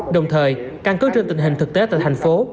đồng thời căn cứ trên tình hình thực tế tại thành phố